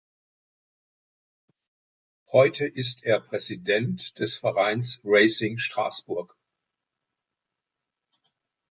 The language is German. Heute ist er Präsident des Vereins Racing Straßburg.